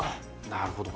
なるほど。